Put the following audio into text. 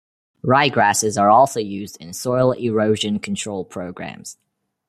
Ryegrasses are also used in soil erosion control programs.